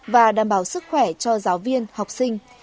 và đảm bảo sức khỏe cho giáo viên học sinh